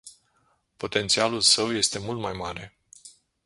Potențialul său este mult mai mare.